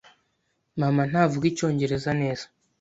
Mama ntavuga Icyongereza neza.